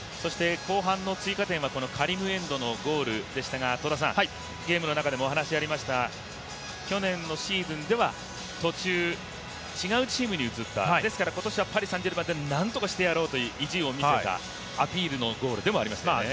後半の追加点はカリムエンドのゴールでしたがゲームの中でもお話がありました、去年のシーズンでは途中、違うチームに移った、ですから今年はパリ・サン＝ジェルマンで何とかしてやろうという意地を見せたアピールのゴールでもありましたよね。